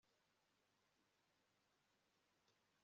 reka tumanuke ku nzu ye